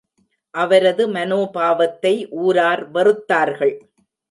அவரது மனோபாவத்தை ஊரார் வெறுத்தார்கள்.